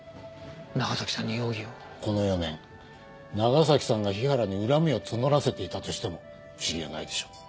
この４年長崎さんが日原に恨みを募らせていたとしても不思議はないでしょう。